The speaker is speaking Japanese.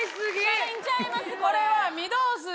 車輪ちゃいます。